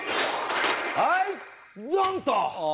はいドンッと！